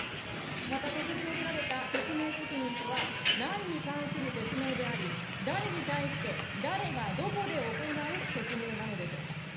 また、ここで述べられた説明責任とは、なんに関する説明であり、誰に対して、誰がどこで行う説明なのでしょうか。